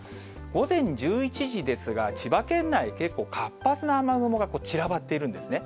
午前１１時ですが、千葉県内、結構活発な雨雲が散らばっているんですね。